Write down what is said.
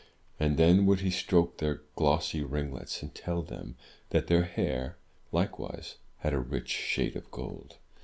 And then would he stroke their glossy ringlets, and tell them that their hair, likewise, had a rich shade of gold.